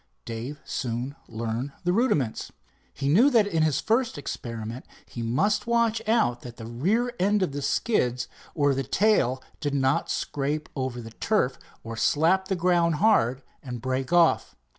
Dave soon learned the rudiments. He knew that in his first experiment he must watch out that the rear end of the skids or the tail did not scrape over the turf or slap the ground hard and break off.